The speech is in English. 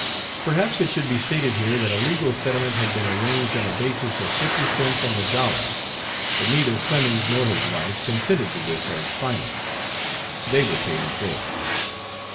Perhaps it should be stated here that a legal settlement had been arranged on a basis of fifty cents on the dollar, but neither Clemens nor his wife consented to this as final. They would pay in full.